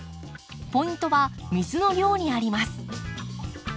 ポイントは水の量にあります。